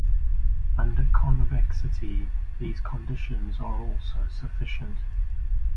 Under convexity, these conditions are also sufficient.